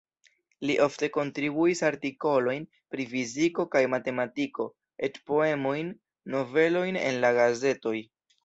Li ofte kontribuis artikolojn pri fiziko kaj matematiko, eĉ poemojn, novelojn en la gazetoj.